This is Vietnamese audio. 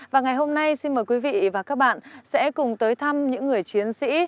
và ngày hôm nay xin mời quý vị và các bạn sẽ cùng tới thăm những người chiến sĩ